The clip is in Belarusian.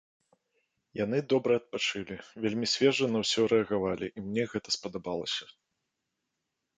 Яны добра адпачылі, вельмі свежа на ўсё рэагавалі, і мне гэта спадабалася.